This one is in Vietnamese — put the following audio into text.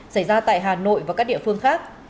xảy ra tại hà nội và các địa phương khác